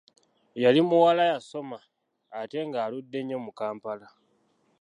Yali muwala yasoma ate nga aludde nnyo mu Kampala.